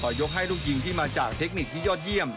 ยกให้ลูกยิงที่มาจากเทคนิคที่ยอดเยี่ยม